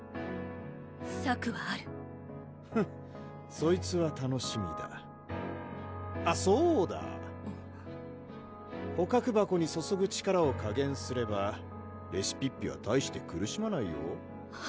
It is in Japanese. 策はあるフッそいつは楽しみだあっそうだ捕獲箱に注ぐ力を加減すればレシピッピは大して苦しまないよ